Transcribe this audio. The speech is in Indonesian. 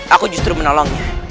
aku justru menolongnya